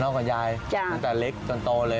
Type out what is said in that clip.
นอนกว่ายายตั้งแต่เล็กจนโตเลย